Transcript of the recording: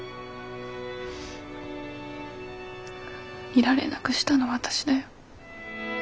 いられなくしたの私だよ。